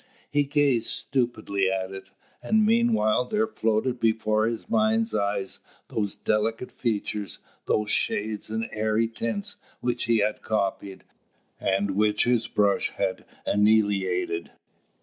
He gazed stupidly at it; and meanwhile there floated before his mind's eye those delicate features, those shades, and airy tints which he had copied, and which his brush had annihilated.